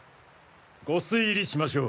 御推理しましょう。